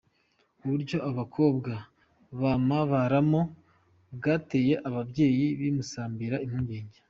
Uburyo aba bakobwa bamabaramo bwateye ababyeyi b'i Musambira impungenge.